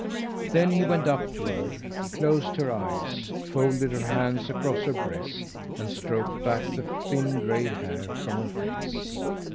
Then he went up to her, closed her eyes, folded her hands across her breast, and stroked back the thin gray hair from her face.